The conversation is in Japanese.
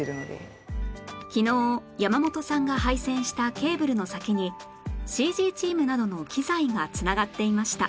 昨日山本さんが配線したケーブルの先に ＣＧ チームなどの機材が繋がっていました